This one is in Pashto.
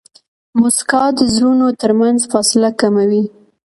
موسکا د زړونو ترمنځ فاصله کموي.